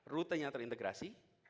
rute yang terintegrasi